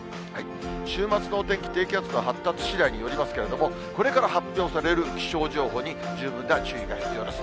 週末のお天気、低気圧の発達しだいによりますけれども、これから発表される気象情報に十分な注意が必要です。